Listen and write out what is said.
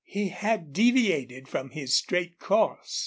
He had deviated from his straight course.